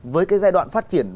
với cái giai đoạn phát triển